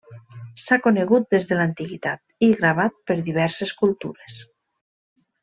S'ha conegut des de l'antiguitat i gravat per diverses cultures.